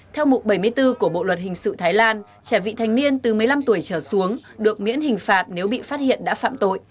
theo mục bảy mươi bốn của bộ luật hình sự thái lan trẻ vị thành niên từ một mươi năm tuổi trở xuống được miễn hình phạt nếu bị phát hiện đã phạm tội